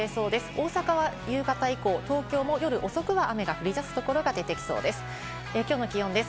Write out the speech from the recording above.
大阪は夕方以降、東京も夜遅くは雨が降りだすところが出てきそうです。